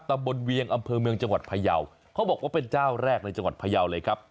ตำบลเวียงอำเภอเมืองจังหวัดพยาวเขาบอกว่าเป็นเจ้าแรกในจังหวัดพยาวเลยครับ